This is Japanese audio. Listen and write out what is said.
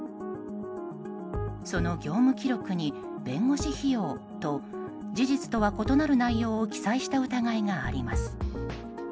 その業務記録に弁護士費用と事実とは異なる内容を記載した疑いがあります。